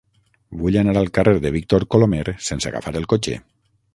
Vull anar al carrer de Víctor Colomer sense agafar el cotxe.